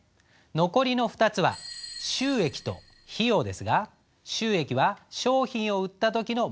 残りの２つは収益と費用ですが収益は商品を売った時のもうけなど。